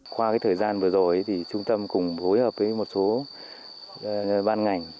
trong thời gian vừa rồi trung tâm cũng phối hợp với một số ban ngành